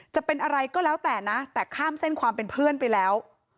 จะเป็นอะไรก็แล้วแต่นะแต่ข้ามเส้นความเป็นเพื่อนไปแล้ว